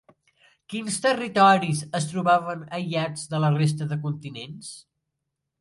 Quins territoris es trobaven aïllats de la resta de continents?